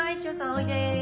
おいで。